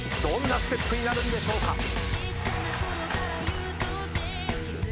どんなステップになるんでしょうか。